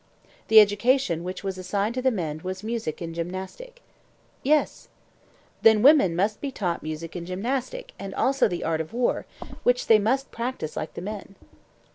The education which was assigned to the men was music and gymnastic. Yes. Then women must be taught music and gymnastic and also the art of war, which they must practise like the men?